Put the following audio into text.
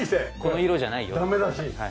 この色じゃないよって。